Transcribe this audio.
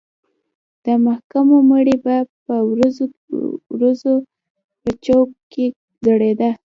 د محکوم مړی به په ورځو ورځو په چوک کې ځړېده.